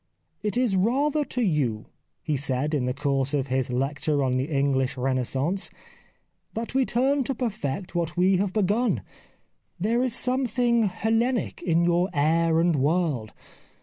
"It is rather to you," he said, in the course of his lecture on the English Renaissance, " that we turn to perfect what we have begun. There is something Hellenic in your air and world.